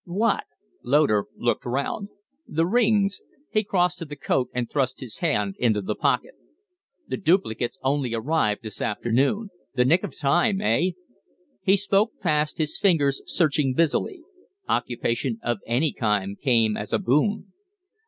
"What?" Loder looked round. "The rings." He crossed to the coat and thrust his hand into the pocket. "The duplicates only arrived this afternoon. The nick of time, eh?" He spoke fast, his fingers searching busily. Occupation of any kind came as a boon.